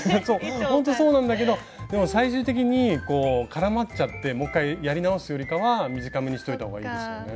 ほんとそうなんだけどでも最終的に絡まっちゃってもう一回やり直すよりかは短めにしといた方がいいですよね。